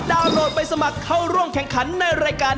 โหลดไปสมัครเข้าร่วมแข่งขันในรายการ